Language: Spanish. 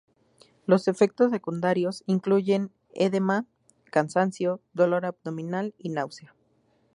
Los efectos secundarios incluyen edema, cansancio, dolor abdominal y náusea.